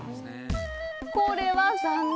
これは残念。